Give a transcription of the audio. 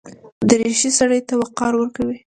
دریشي سړي ته وقار ورکوي.